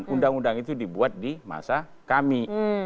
undang undang itu dibuat di masa kami